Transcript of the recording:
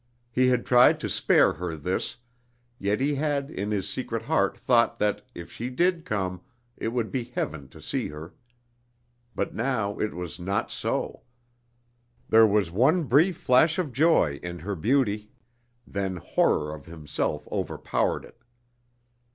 He had tried to spare her this; yet he had in his secret heart thought that, if she did come, it would be heaven to see her. But now it was not so. There was one brief flash of joy in her beauty; then horror of himself overpowered it.